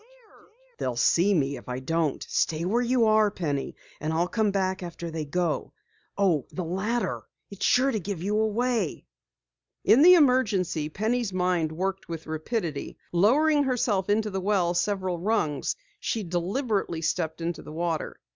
"They'll see me if I don't. Stay where you are Penny, and I'll come back after they go. Oh, the ladder! It's sure to give you away!" In the emergency, Penny's mind worked with rapidity. Lowering herself into the well several rungs, she deliberately stepped into the water.